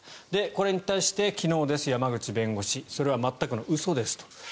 これに対して昨日です山口弁護士それは全くの嘘ですと。